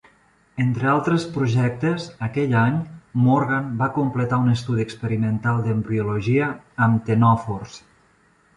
Entre altres projectes aquell any, Morgan va completar un estudi experimental d'embriologia amb ctenòfors.